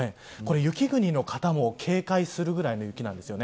雪国の方も警戒するぐらいの雪です。